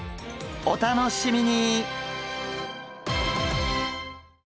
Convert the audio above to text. お楽しみに！